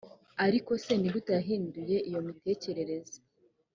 ariko se ni gute yahinduye iyo mitekerereze